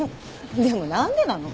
でも何でなの？